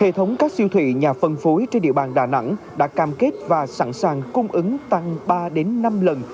hệ thống các siêu thị nhà phân phối trên địa bàn đà nẵng đã cam kết và sẵn sàng cung ứng tăng ba năm lần